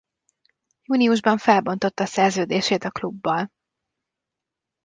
Júniusban felbontotta szerződését a klubbal.